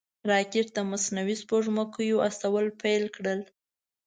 راکټ د مصنوعي سپوږمکیو استول پیل کړل